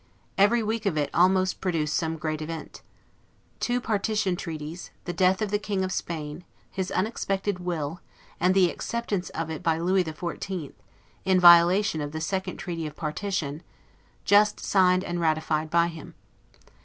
Every week of it almost produced some great event. Two partition treaties, the death of the King of Spain, his unexpected will, and the acceptance of it by Lewis the Fourteenth, in violation of the second treaty of partition, just signed and ratified by him.